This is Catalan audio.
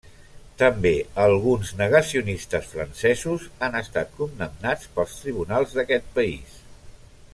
També alguns negacionistes francesos han estat condemnats pels tribunals d'aquest país.